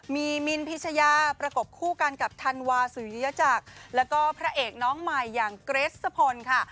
มีมินพิชยาประกบคู่กันกับธันวาสุริยจักรแล้วก็พระเอกน้องใหม่อย่างเกรสสะพลค่ะ